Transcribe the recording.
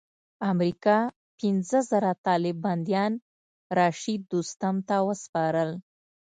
امریکا پنځه زره طالب بندیان رشید دوستم ته وسپارل.